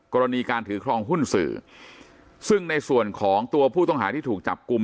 กรณีการถือครองหุ้นสื่อซึ่งในส่วนของตัวผู้ต้องหาที่ถูกจับกลุ่ม